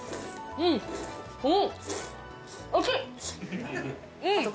うんうーん！